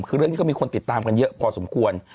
คือเรื่องนี้ก็มีคนติดตามกันเยอะพอสมควร